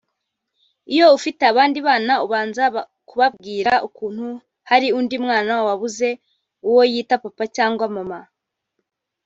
Iyo ufite abandi bana ubanza kubabwira ukuntu hari undi mwana wabuze uwo yita papa cyangwa mama